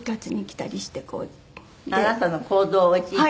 あなたの行動をいちいち？